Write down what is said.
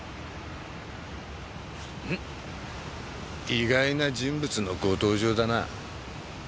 意外な人物のご登場だな。